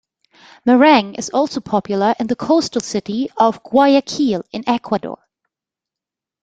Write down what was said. Merengue is also popular in the coastal city of Guayaquil in Ecuador.